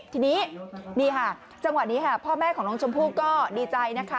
ทีนี้นี่ค่ะจังหวะนี้ค่ะพ่อแม่ของน้องชมพู่ก็ดีใจนะคะ